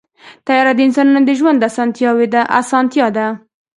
طیاره د انسانانو د ژوند اسانتیا ده.